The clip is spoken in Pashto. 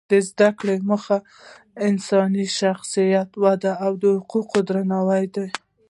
د زده کړو موخه انساني شخصیت وده او د حقوقو درناوی دی.